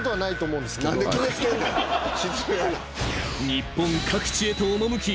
［日本各地へと赴き